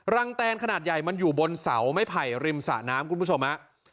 แตนขนาดใหญ่มันอยู่บนเสาไม้ไผ่ริมสะน้ำคุณผู้ชมฮะ